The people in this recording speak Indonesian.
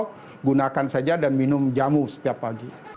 kita bisa makan saja dan minum jamu setiap pagi